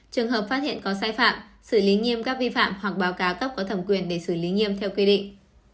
trường hợp phát hiện có sai phạm xử lý nghiêm các vi phạm hoặc báo cáo cấp có thẩm quyền để xử lý nghiêm theo quy định